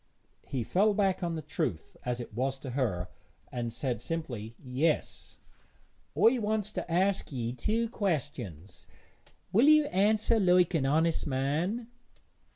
He fell back on the truth as it was to her, and said simply, 'Yes.' 'I wants to ask ye two questions; will ye answer like an honest man?'